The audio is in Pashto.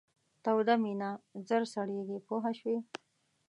توده مینه ژر سړیږي پوه شوې!.